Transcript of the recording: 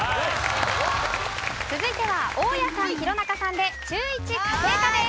続いては大家さん弘中さんで中１家庭科です。